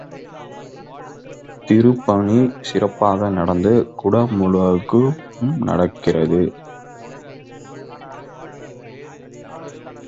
திருப்பணி சிறப்பாக நடந்து குடமுழுக்கும் நடக்கிறது.